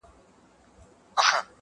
د کابل تصوېر مي ورکی په تحفه کي ,